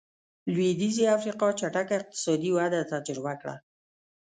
لوېدیځې افریقا چټکه اقتصادي وده تجربه کړه.